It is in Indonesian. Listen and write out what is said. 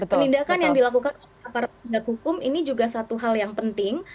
penindakan yang dilakukan oleh ppk ini juga satu hal yang penting